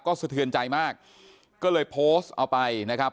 สะเทือนใจมากก็เลยโพสต์เอาไปนะครับ